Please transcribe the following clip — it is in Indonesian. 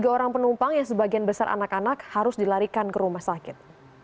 tiga orang penumpang yang sebagian besar anak anak harus dilarikan ke rumah sakit